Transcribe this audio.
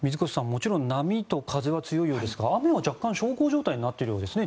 もちろん波と風は強いようですが雨は若干、小康状態になっているようですね。